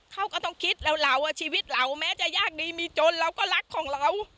เขาก็ต้องคิดเราว่าชีวิตเราแม้จะยากดีมีจนเราก็รักของเรา